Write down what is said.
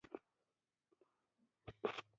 افغانستان کې ژمی د چاپېریال د تغیر نښه ده.